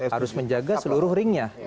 harus menjaga seluruh ringnya